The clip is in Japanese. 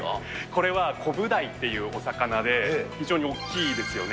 これはコブダイっていうお魚で、非常に大きいですよね。